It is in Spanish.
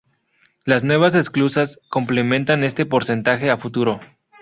Las nuevas esclusas, complementan este porcentaje a futuro.